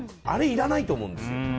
あれいらないと思うんですよ。